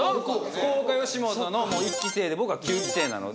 福岡吉本の１期生で僕は９期生なので。